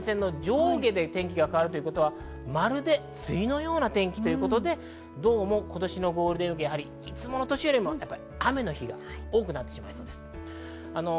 東西に長い前線の上下で天気が変わるということは、まるで梅雨のような天気ということで、どうも今年のゴールデンウイークはいつもの年よりも雨の日が多くなりそうです。